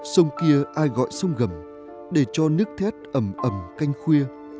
sông kia ai gọi sông gầm để cho nước thét ẩm canh khuya